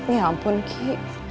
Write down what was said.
ya ampun ki